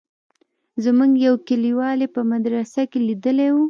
زموږ يو کليوال يې په مدرسه کښې ليدلى و.